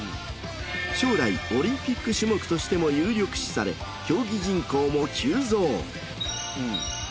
将来オリンピック種目としても有力視され競技人口も急増。